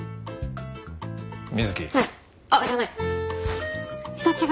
あっじゃない。